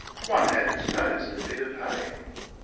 One had its nose in a bit of hay.